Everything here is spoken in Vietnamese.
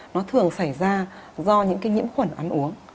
nó thường xảy ra do những cái nhiễm khuẩn ăn uống